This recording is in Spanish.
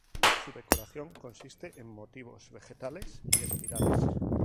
Su decoración consiste en motivos vegetales y espirales.